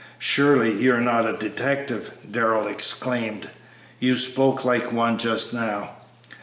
"Surely, you are not a detective!" Darrell exclaimed; "you spoke like one just now."